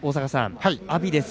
阿炎です。